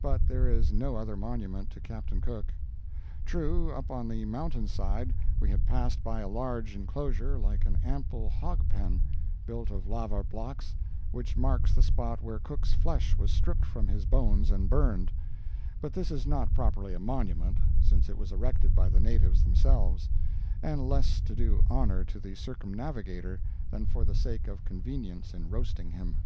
But there is no other monument to Captain Cook. True, up on the mountain side we had passed by a large inclosure like an ample hog pen, built of lava blocks, which marks the spot where Cook's flesh was stripped from his bones and burned; but this is not properly a monument, since it was erected by the natives themselves, and less to do honor to the circumnavigator than for the sake of convenience in roasting him.